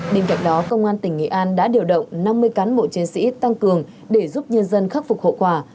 bên cạnh đó công an tỉnh nghệ an đã điều động năm mươi cán bộ chiến sĩ tăng cường để giúp nhân dân khắc phục hậu quả